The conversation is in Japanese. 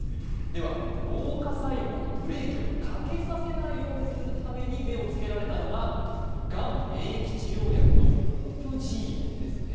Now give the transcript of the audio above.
ではこの老化細胞にブレーキをかけさせないようにするために目を付けられたのががん免疫治療薬のオプジーポですね。